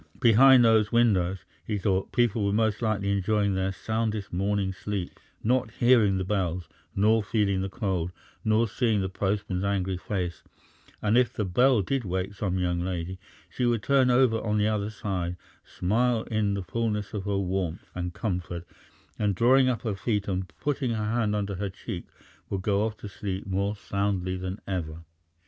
Behind those windows, he thought, people were most likely enjoying their soundest morning sleep not hearing the bells, nor feeling the cold, nor seeing the postman's angry face; and if the bell did wake some young lady, she would turn over on the other side, smile in the fulness of her warmth and comfort, and, drawing up her feet and putting her hand under her cheek, would go off to sleep more soundly than ever.